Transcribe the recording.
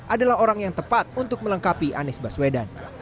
adalah orang yang tepat untuk melengkapi anies baswedan